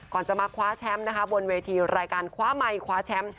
ก่อนจะมาคว้าแชมป์นะคะบนเวทีรายการคว้าไมค์คว้าแชมป์